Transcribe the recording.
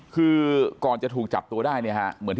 คือก่อนจะถูกจับตัวได้เนี่ยฮะที่ท่านผู้ชมเห็นนะฮะ